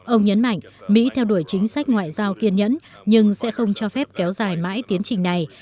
ông nhấn mạnh mỹ theo đuổi chính sách ngoại giao kiên nhẫn nhưng sẽ không cho phép kéo dài mãi tiến trình này